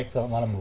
selamat malam bu